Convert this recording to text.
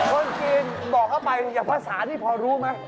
คนจีนบอกเข้าไปอย่างภาษานี่พอรู้ไหม